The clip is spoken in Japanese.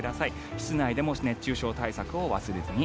室内でも熱中症対策を忘れずに。